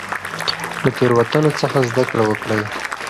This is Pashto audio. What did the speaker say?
له تیروتنو څخه زده کړه وکړئ.